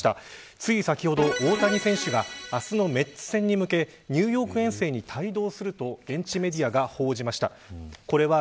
つい先ほど、大谷選手が明日のメッツ戦に向けニューヨーク遠征に帯同すると現地メディアが報じました。